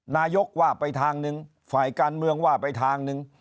นายกว่าไปทางหนึ่งฝ่ายการเมืองว่าไปทางหนึ่ง